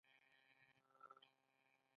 آیا په ژمي کې واوره ډیره نه وي؟